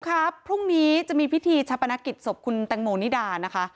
ครับพรุ่งนี้จะมีพิธีชาปนกิจศพคุณแตงโมนิดานะคะ